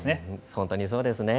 本当にそうですね。